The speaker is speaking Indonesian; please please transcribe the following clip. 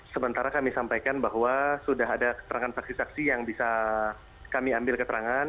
sementara kami sampaikan bahwa sudah ada keterangan saksi saksi yang bisa kami ambil keterangan